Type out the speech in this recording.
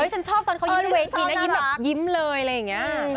ฉันชอบตอนเขายืนเวทีนะยิ้มแบบยิ้มเลยอะไรอย่างนี้